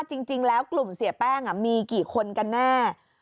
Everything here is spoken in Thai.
จริงแล้วกลุ่มเสียแป้งมีกี่คนกันแน่